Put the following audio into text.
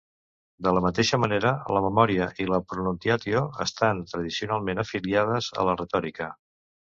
De la mateixa manera, la 'memoria' i la 'pronuntiatio' estan tradicionalment afiliades a la retòrica.